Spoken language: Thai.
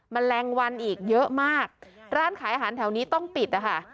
แมลงวันอีกเยอะมากร้านขายอาหารแถวนี้ต้องปิดนะคะ